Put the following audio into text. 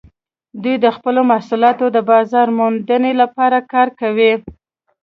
دوی د خپلو محصولاتو د بازارموندنې لپاره کار کوي